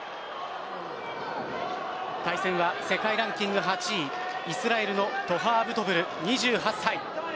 対戦は世界ランキング８位イスラエルのトハー・ブトブル、２８歳。